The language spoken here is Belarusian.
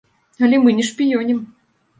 Але мы не шпіёнім!